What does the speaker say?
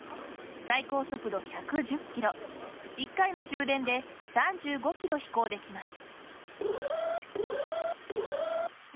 最高速度１１０キロ１回の充電で３５キロ飛行できます。